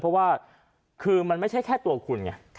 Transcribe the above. เพราะว่าคือมันไม่ใช่แค่ตัวคุณไง